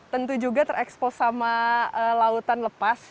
tentu juga terekspos sama lautan lepas